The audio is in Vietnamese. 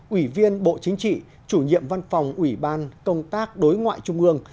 ủy viên bộ chính trị chủ nhiệm văn phòng ủy ban công tác đối ngoại trung ương